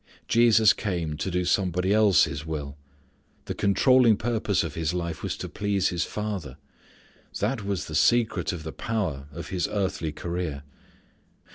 Jesus came to do somebody's else will. The controlling purpose of His life was to please His Father. That was the secret of the power of His earthly career.